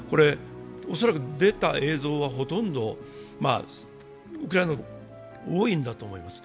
恐らく出た映像は、ほとんどウクライナが多いんだと思います。